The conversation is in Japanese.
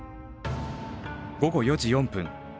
午後４時４分。